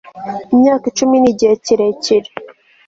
imyaka icumi nigihe kirekire